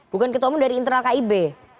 bukan ketua umum dari internal kib